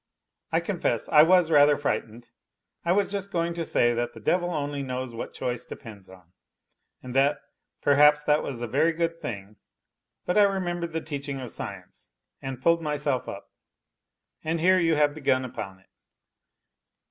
I confess, I was rather frightened. I was just going to say that the devil only knows what choice depends on, and that perhaps that was a very good thing, but I remembered the teaching of science ... and pulled myself up. And here you have begun upon it.